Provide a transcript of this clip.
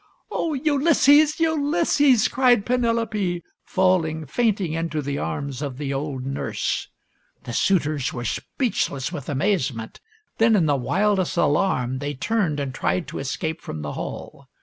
" O Ulysses ! Ulysses !" cried Penelope, falling, fainting into the arms of the old nurse. The suitors were speechless with amazement. Then in the wildest alarm they turned and tried to escape from the hall.